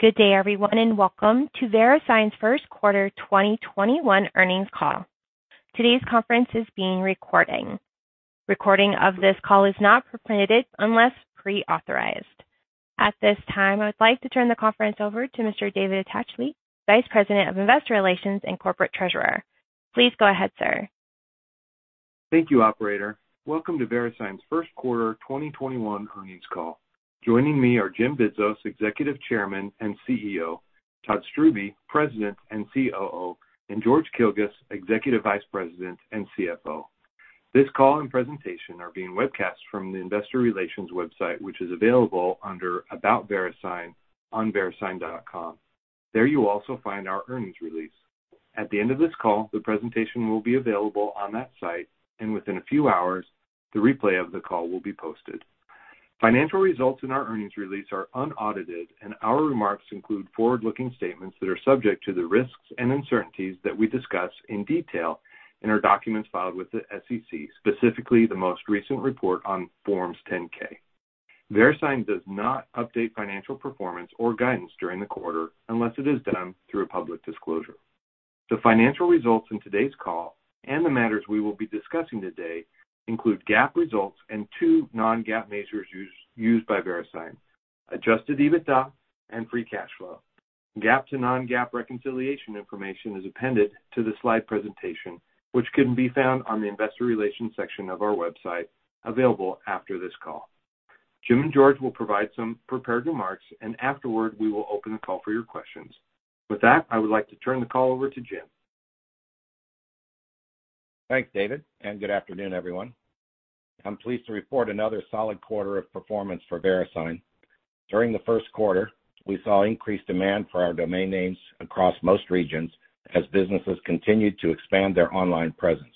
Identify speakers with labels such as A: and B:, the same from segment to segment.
A: Good day, everyone, and welcome to VeriSign's first quarter 2021 earnings call. Today's conference is being recorded. Recording of this call is not permitted unless pre-authorized. At this time, I would like to turn the conference over to Mr. David Atchley, Vice President, Investor Relations and Corporate Treasurer. Please go ahead, sir.
B: Thank you, operator. Welcome to VeriSign's first quarter 2021 earnings call. Joining me are Jim Bidzos, Executive Chairman and CEO, Todd Strubbe, President and COO, and George Kilguss, Executive Vice President and CFO. This call and presentation are being webcast from the investor relations website, which is available under About VeriSign on verisign.com. There you'll also find our earnings release. At the end of this call, the presentation will be available on that site, and within a few hours, the replay of the call will be posted. Financial results in our earnings release are unaudited, and our remarks include forward-looking statements that are subject to the risks and uncertainties that we discuss in detail in our documents filed with the SEC, specifically the most recent report on Forms 10-K. VeriSign does not update financial performance or guidance during the quarter unless it is done through a public disclosure. The financial results in today's call and the matters we will be discussing today include GAAP results and two non-GAAP measures used by VeriSign, Adjusted EBITDA and free cash flow. GAAP to non-GAAP reconciliation information is appended to the slide presentation, which can be found on the investor relations section of our website, available after this call. Jim and George will provide some prepared remarks, and afterward, we will open the call for your questions. With that, I would like to turn the call over to Jim.
C: Thanks, David, and good afternoon, everyone. I'm pleased to report another solid quarter of performance for VeriSign. During the first quarter, we saw increased demand for our domain names across most regions as businesses continued to expand their online presence.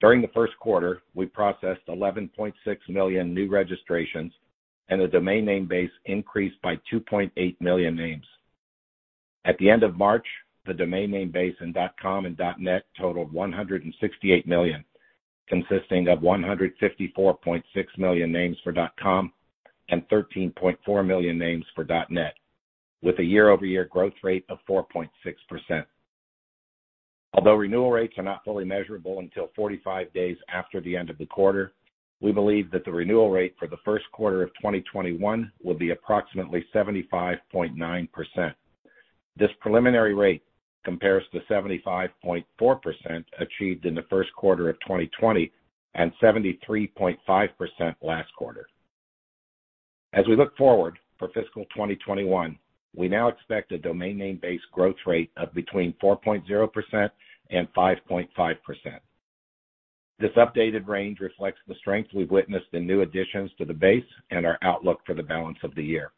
C: During the first quarter, we processed 11.6 million new registrations, and the domain name base increased by 2.8 million names. At the end of March, the domain name base in .com and .net totaled 168 million, consisting of 154.6 million names for .com and 13.4 million names for .net, with a year-over-year growth rate of 4.6%. Although renewal rates are not fully measurable until 45 days after the end of the quarter, we believe that the renewal rate for the first quarter of 2021 will be approximately 75.9%. This preliminary rate compares to 75.4% achieved in the first quarter of 2020 and 73.5% last quarter. As we look forward for fiscal 2021, we now expect a domain name base growth rate of between 4.0% and 5.5%. This updated range reflects the strength we've witnessed in new additions to the base and our outlook for the balance of the year.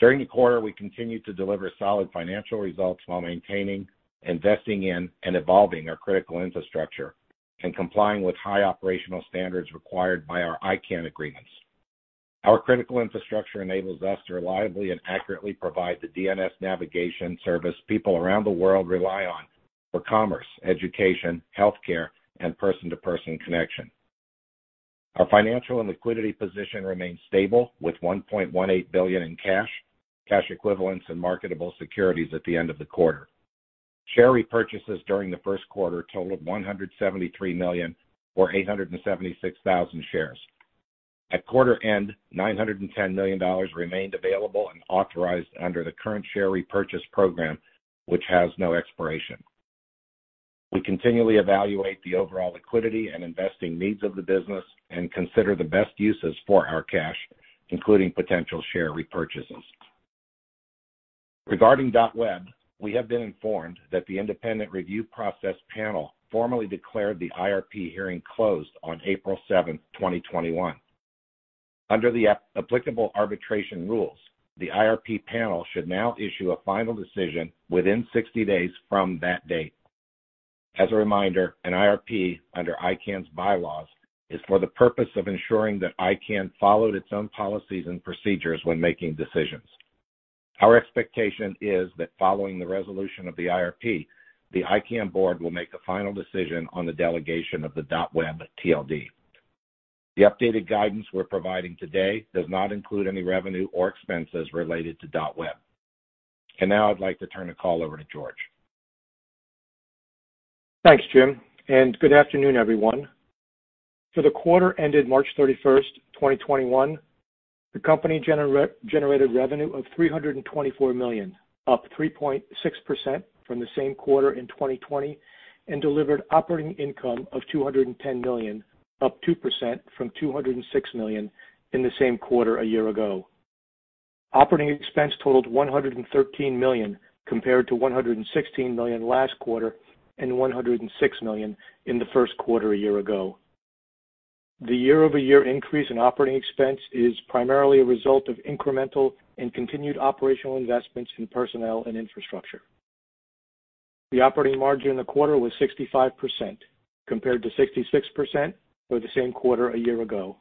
C: During the quarter, we continued to deliver solid financial results while maintaining, investing in, and evolving our critical infrastructure and complying with high operational standards required by our ICANN agreements. Our critical infrastructure enables us to reliably and accurately provide the DNS navigation service people around the world rely on for commerce, education, healthcare, and person-to-person connection. Our financial and liquidity position remains stable, with $1.18 billion in cash equivalents, and marketable securities at the end of the quarter. Share repurchases during the first quarter totaled $173 million or 876,000 shares. At quarter end, $910 million remained available and authorized under the current share repurchase program, which has no expiration. We continually evaluate the overall liquidity and investing needs of the business and consider the best uses for our cash, including potential share repurchases. Regarding .web, we have been informed that the independent review process panel formally declared the IRP hearing closed on April 7th, 2021. Under the applicable arbitration rules, the IRP panel should now issue a final decision within 60 days from that date. As a reminder, an IRP under ICANN's bylaws is for the purpose of ensuring that ICANN followed its own policies and procedures when making decisions. Our expectation is that following the resolution of the IRP, the ICANN board will make the final decision on the delegation of the .web TLD. The updated guidance we're providing today does not include any revenue or expenses related to .web. Now I'd like to turn the call over to George.
D: Thanks, Jim. Good afternoon, everyone. For the quarter ended March 31st, 2021, the company generated revenue of $324 million, up 3.6% from the same quarter in 2020, and delivered operating income of $210 million, up 2% from $206 million in the same quarter a year ago. Operating expense totaled $113 million compared to $116 million last quarter and $106 million in the first quarter a year ago. The year-over-year increase in operating expense is primarily a result of incremental and continued operational investments in personnel and infrastructure. The operating margin in the quarter was 65% compared to 66% for the same quarter a year ago.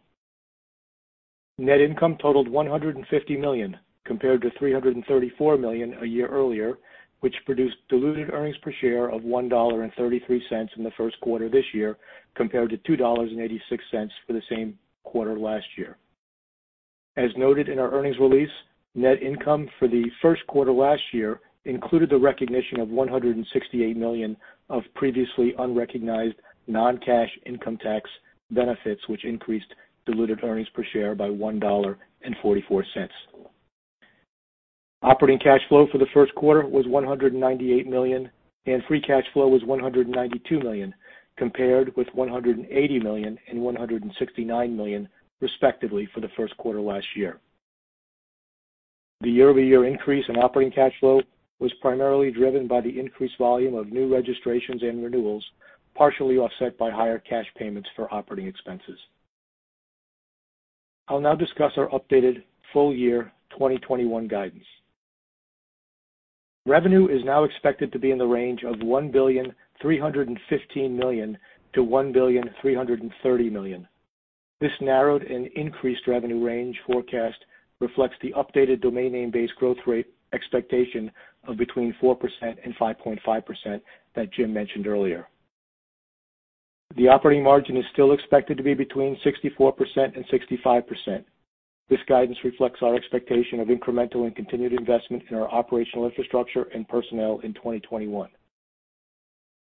D: Net income totaled $150 million compared to $334 million a year earlier, which produced diluted earnings per share of $1.33 in the first quarter this year, compared to $2.86 for the same quarter last year. As noted in our earnings release, net income for the first quarter last year included the recognition of $168 million of previously unrecognized non-cash income tax benefits, which increased diluted earnings per share by $1.44. Operating cash flow for the first quarter was $198 million, and free cash flow was $192 million, compared with $180 million and $169 million, respectively, for the first quarter last year. The year-over-year increase in operating cash flow was primarily driven by the increased volume of new registrations and renewals, partially offset by higher cash payments for operating expenses. I'll now discuss our updated full-year 2021 guidance. Revenue is now expected to be in the range of $1,315 million to $1,330 million. This narrowed and increased revenue range forecast reflects the updated domain name base growth rate expectation of between 4% and 5.5% that Jim mentioned earlier. The operating margin is still expected to be between 64% and 65%. This guidance reflects our expectation of incremental and continued investment in our operational infrastructure and personnel in 2021.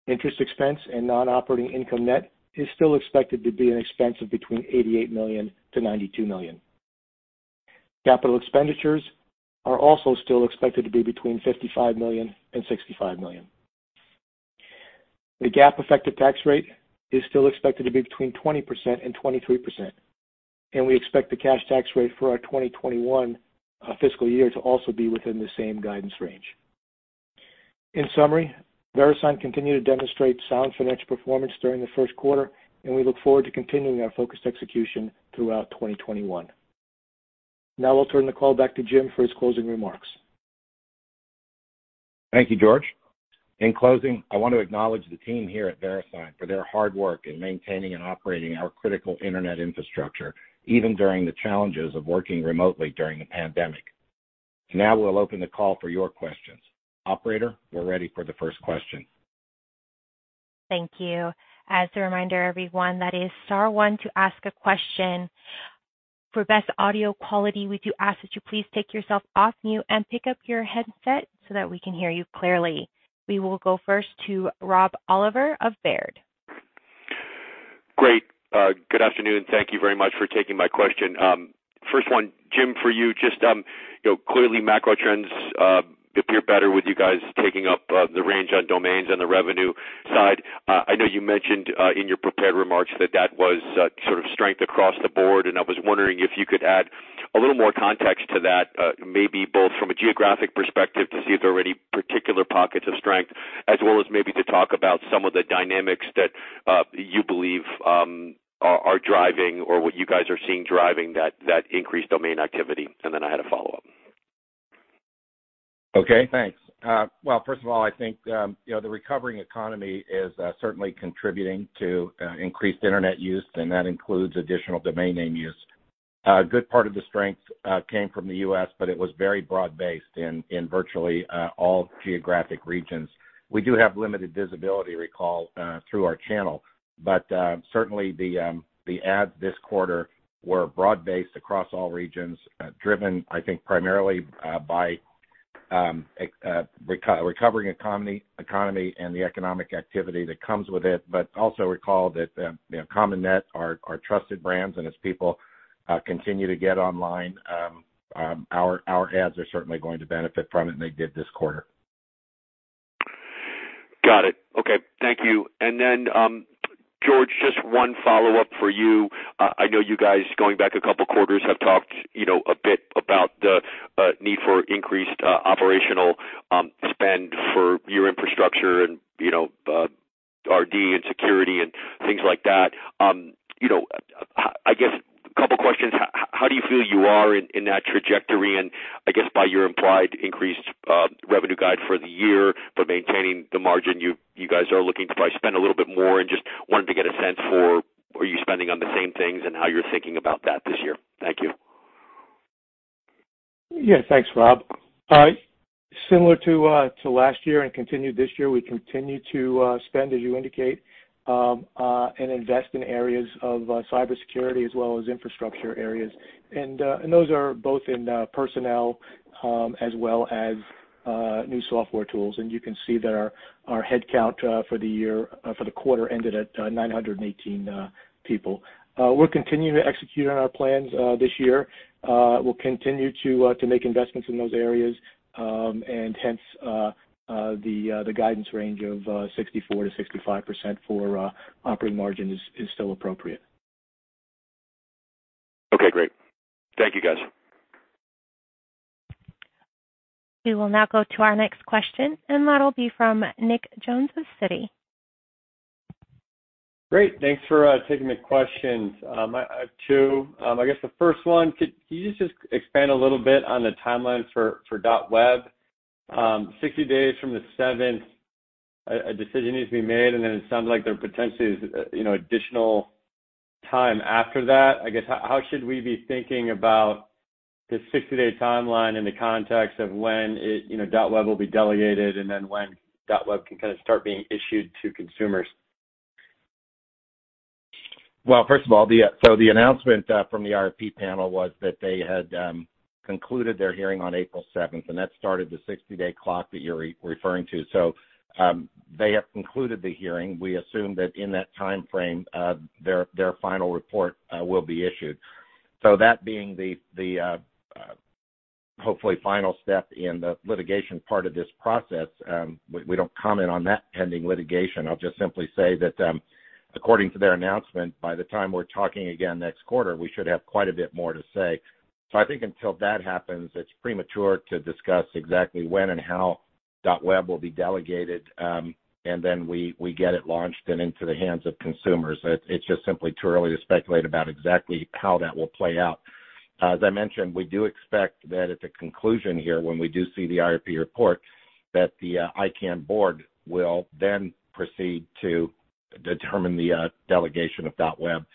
D: Interest expense and non-operating income net is still expected to be an expense of between $88 million to $92 million. Capital expenditures are also still expected to be between $55 million and $65 million. The GAAP effective tax rate is still expected to be between 20% and 23%, and we expect the cash tax rate for our 2021 fiscal year to also be within the same guidance range. In summary, VeriSign continued to demonstrate sound financial performance during the first quarter, and we look forward to continuing our focused execution throughout 2021. Now I'll turn the call back to Jim for his closing remarks.
C: Thank you, George. In closing, I want to acknowledge the team here at VeriSign for their hard work in maintaining and operating our critical internet infrastructure, even during the challenges of working remotely during the pandemic. Now we'll open the call for your questions. Operator, we're ready for the first question.
A: Thank you. As a reminder, everyone, that is star one to ask a question. For best audio quality, we do ask that you please take yourself off mute and pick up your headset so that we can hear you clearly. We will go first to Rob Oliver of Baird.
E: Great. Good afternoon. Thank you very much for taking my question. First one, Jim, for you, just clearly macro trends appear better with you guys taking up the range on domains on the revenue side. I know you mentioned in your prepared remarks that was sort of strength across the board. I was wondering if you could add a little more context to that, maybe both from a geographic perspective to see if there are any particular pockets of strength, as well as maybe to talk about some of the dynamics that you believe are driving or what you guys are seeing driving that increased domain activity. I had a follow-up.
C: Okay, thanks. First of all, I think the recovering economy is certainly contributing to increased internet use, and that includes additional domain name use. A good part of the strength came from the U.S., but it was very broad-based in virtually all geographic regions. We do have limited visibility, recall, through our channel. Certainly the adds this quarter were broad-based across all regions, driven, I think, primarily by recovering economy and the economic activity that comes with it. Also recall that .com and .net are trusted brands, and as people continue to get online, our adds are certainly going to benefit from it, and they did this quarter.
E: Got it. Okay. Thank you. George, just one follow-up for you. I know you guys, going back a couple of quarters, have talked a bit about the need for increased operational spend for your infrastructure and R&D and security and things like that. I guess a couple of questions, how do you feel you are in that trajectory? I guess by your implied increased revenue guide for the year for maintaining the margin, you guys are looking to probably spend a little bit more and just wanted to get a sense for, are you spending on the same things and how you're thinking about that this year? Thank you.
D: Yeah. Thanks, Rob. Similar to last year and continued this year, we continue to spend, as you indicate, and invest in areas of cybersecurity as well as infrastructure areas. Those are both in personnel as well as new software tools. You can see that our headcount for the quarter ended at 918 people. We're continuing to execute on our plans this year. We'll continue to make investments in those areas, and hence the guidance range of 64%-65% for operating margin is still appropriate.
E: Okay, great. Thank you, guys.
A: We will now go to our next question, and that'll be from Nick Jones of Citi.
F: Great. Thanks for taking the questions. I have two. I guess the first one, could you just expand a little bit on the timeline for .web? 60 days from the seventh, a decision needs to be made, and then it sounds like there potentially is additional time after that. I guess, how should we be thinking about this 60-day timeline in the context of when .web will be delegated and then when .web can kind of start being issued to consumers?
C: First of all, the announcement from the IRP panel was that they had concluded their hearing on April 7th, and that started the 60-day clock that you're referring to. They have concluded the hearing. We assume that in that timeframe, their final report will be issued. That being the hopefully final step in the litigation part of this process, we don't comment on that pending litigation. I'll just simply say that according to their announcement, by the time we're talking again next quarter, we should have quite a bit more to say. I think until that happens, it's premature to discuss exactly when and how .web will be delegated, and then we get it launched and into the hands of consumers. It's just simply too early to speculate about exactly how that will play out. As I mentioned, we do expect that at the conclusion here, when we do see the IRP report, that the ICANN board will then proceed to determine the delegation of .web.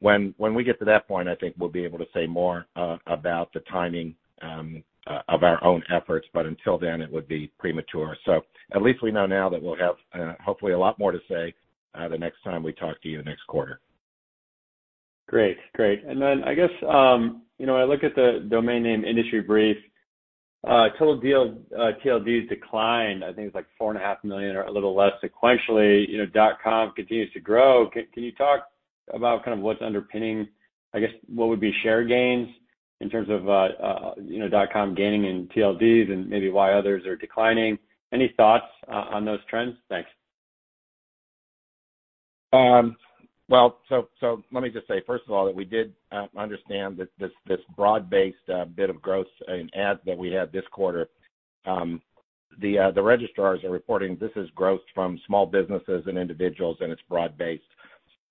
C: When we get to that point, I think we'll be able to say more about the timing of our own efforts, but until then, it would be premature. At least we know now that we'll have hopefully a lot more to say the next time we talk to you next quarter.
F: Great. I look at the Domain Name Industry Brief, total TLDs declined. I think it's like 4.5 million or a little less sequentially. .com continues to grow. Can you talk about what's underpinning, I guess, what would be share gains in terms of .com gaining in TLDs and maybe why others are declining? Any thoughts on those trends? Thanks.
C: Let me just say, first of all, that we did understand that this broad-based bit of growth in ads that we had this quarter, the registrars are reporting this is growth from small businesses and individuals, and it's broad based.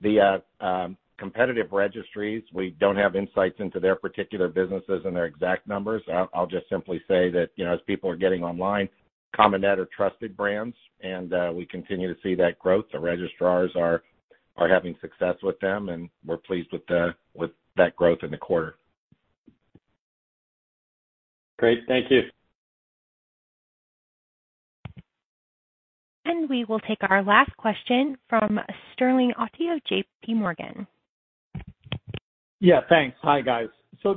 C: The competitive registries, we don't have insights into their particular businesses and their exact numbers. I'll just simply say that as people are getting online, .com and .net are trusted brands, and we continue to see that growth. The registrars are having success with them, and we're pleased with that growth in the quarter.
F: Great. Thank you.
A: We will take our last question from Sterling Auty, JP Morgan.
G: Thanks. Hi, guys.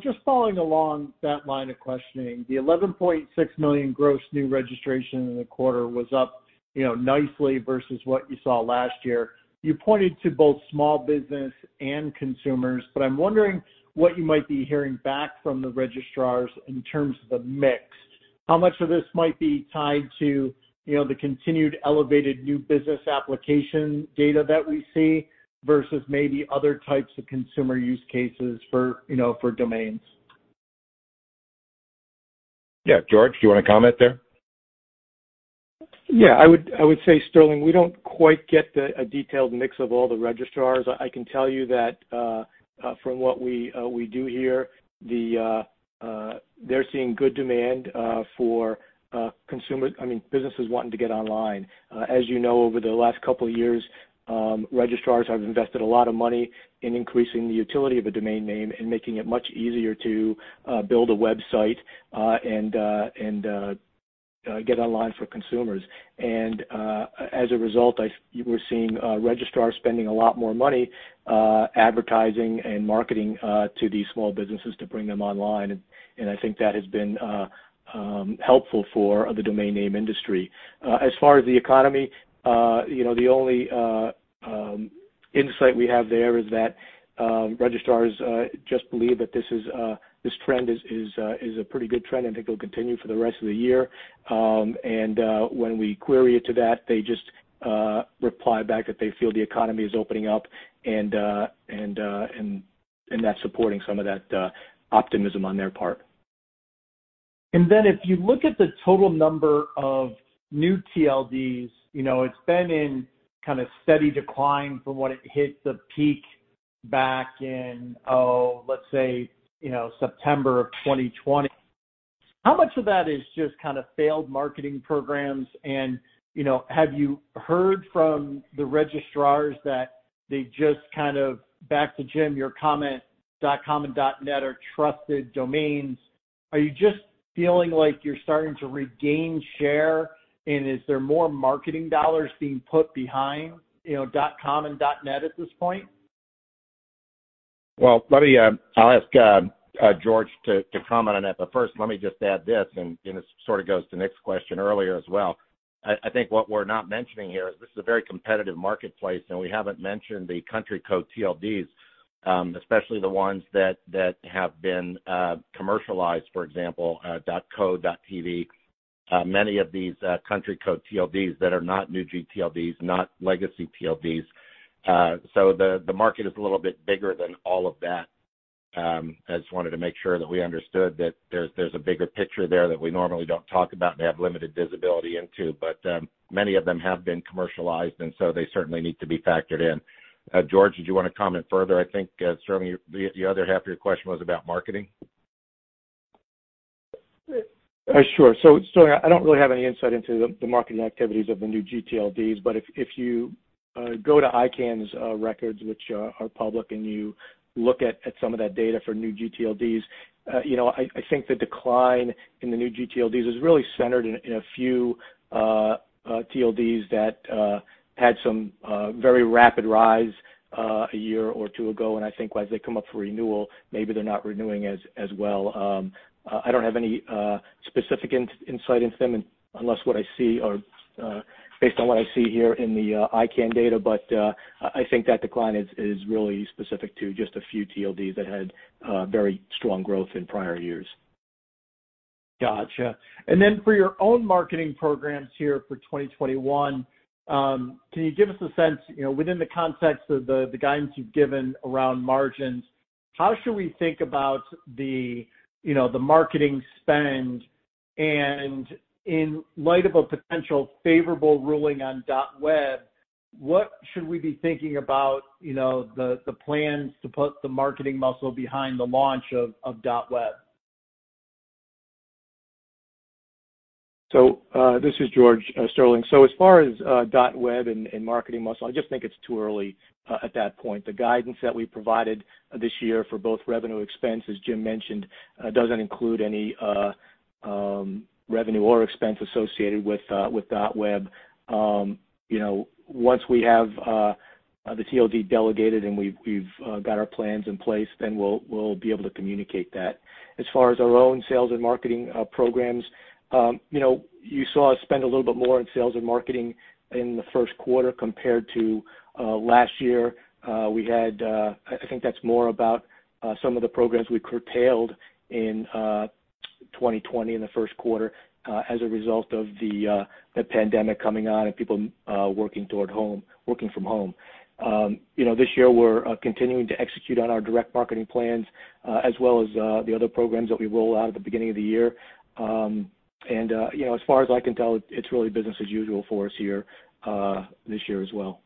G: Just following along that line of questioning, the 11.6 million gross new registration in the quarter was up nicely versus what you saw last year. You pointed to both small business and consumers, I'm wondering what you might be hearing back from the registrars in terms of the mix. How much of this might be tied to the continued elevated new business application data that we see versus maybe other types of consumer use cases for domains?
C: Yeah. George, do you want to comment there?
D: I would say, Sterling, we don't quite get a detailed mix of all the registrars. I can tell you that from what we do here, they're seeing good demand for businesses wanting to get online. As you know, over the last couple of years, registrars have invested a lot of money in increasing the utility of a domain name and making it much easier to build a website and get online for consumers. As a result, we're seeing registrars spending a lot more money advertising and marketing to these small businesses to bring them online, and I think that has been helpful for the domain name industry. As far as the economy, the only insight we have there is that registrars just believe that this trend is a pretty good trend and think it'll continue for the rest of the year. When we query it to that, they just reply back that they feel the economy is opening up, and that's supporting some of that optimism on their part.
G: If you look at the total number of new TLDs, it's been in kind of steady decline from when it hit the peak back in, let's say, September of 2020. How much of that is just kind of failed marketing programs? Have you heard from the registrars that they just kind of, back to Jim, your comment, .com and .net are trusted domains. Are you just feeling like you're starting to regain share? Is there more marketing $ being put behind .com and .net at this point?
C: I'll ask George to comment on that, but first, let me just add this, and this sort of goes to Nick's question earlier as well. I think what we're not mentioning here is this is a very competitive marketplace, and we haven't mentioned the country code TLDs, especially the ones that have been commercialized, for example, .co, .tv, many of these country code TLDs that are not new gTLDs, not legacy TLDs. The market is a little bit bigger than all of that. I just wanted to make sure that we understood that there's a bigger picture there that we normally don't talk about and have limited visibility into. Many of them have been commercialized, and so they certainly need to be factored in. George, did you want to comment further? I think, Sterling, the other half of your question was about marketing.
D: Sure. I don't really have any insight into the marketing activities of the new gTLDs, but if you go to ICANN's records, which are public, and you look at some of that data for new gTLDs, I think the decline in the new gTLDs is really centered in a few TLDs that had some very rapid rise a year or two ago, and I think as they come up for renewal, maybe they're not renewing as well. I don't have any specific insight into them unless based on what I see here in the ICANN data. I think that decline is really specific to just a few TLDs that had very strong growth in prior years.
G: Got you. For your own marketing programs here for 2021, can you give us a sense, within the context of the guidance you've given around margins, how should we think about the marketing spend? In light of a potential favorable ruling on .web, what should we be thinking about, the plans to put the marketing muscle behind the launch of .web?
D: This is George Kilguss. As far as .web and marketing muscle, I just think it's too early at that point. The guidance that we provided this year for both revenue expense, as Jim mentioned, doesn't include any revenue or expense associated with .web. Once we have the TLD delegated and we've got our plans in place, then we'll be able to communicate that. As far as our own sales and marketing programs, you saw us spend a little bit more on sales and marketing in the first quarter compared to last year. I think that's more about some of the programs we curtailed in 2020 in the first quarter as a result of the pandemic coming on and people working from home. This year, we're continuing to execute on our direct marketing plans, as well as the other programs that we roll out at the beginning of the year. As far as I can tell, it's really business as usual for us here this year as well.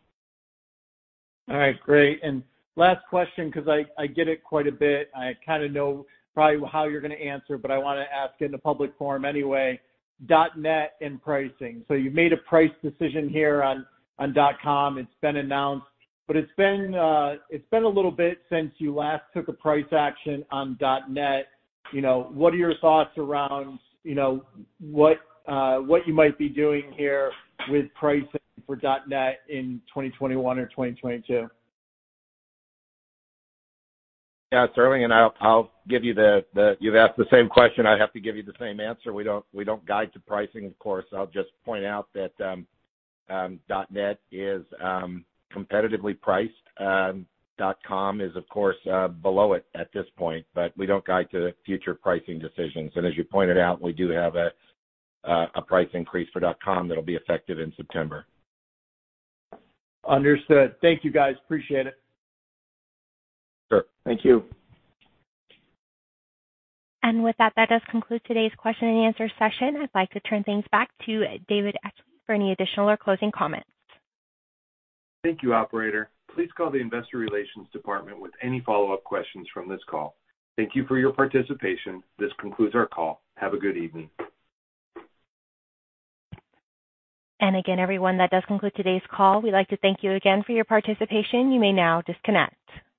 G: All right. Great. Last question, because I get it quite a bit, and I kind of know probably how you're going to answer, but I want to ask in a public forum anyway. .net and pricing. You made a price decision here on .com. It's been announced. It's been a little bit since you last took a price action on .net. What are your thoughts around what you might be doing here with pricing for .net in 2021 or 2022?
C: Yeah, Sterling Auty, you've asked the same question, I'd have to give you the same answer. We don't guide to pricing, of course. I'll just point out that .net is competitively priced. .com is, of course, below it at this point, but we don't guide to future pricing decisions. As you pointed out, we do have a price increase for .com that'll be effective in September.
G: Understood. Thank you, guys. Appreciate it.
C: Sure. Thank you.
A: With that does conclude today's question and answer session. I'd like to turn things back to David Atchley for any additional or closing comments.
B: Thank you, operator. Please call the investor relations department with any follow-up questions from this call. Thank you for your participation. This concludes our call. Have a good evening.
A: Again, everyone, that does conclude today's call. We'd like to thank you again for your participation. You may now disconnect.